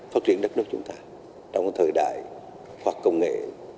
phát triển đất nước chúng ta trong thời đại hoặc công nghệ